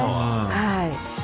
はい。